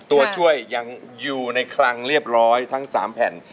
ตัวช่วยยังอยู่ในคลังเรียบร้อยทั้ง๓แผ่น